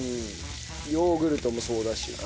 ヨーグルトもそうだし。